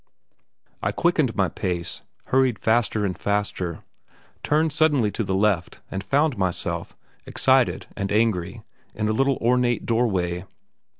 I quickened my pace, hurried faster and faster, turned suddenly to the left and found myself, excited and angry, in a light ornate doorway.